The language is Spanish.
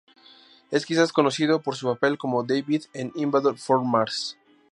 Es quizás conocido por su papel como David en "Invaders from Mars".